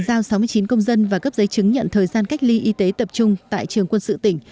giao sáu mươi chín công dân và cấp giấy chứng nhận thời gian cách ly y tế tập trung tại trường quân sự tỉnh